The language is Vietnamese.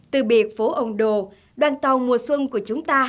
từ biệt phố ấn độ đoàn tàu mùa xuân của chúng ta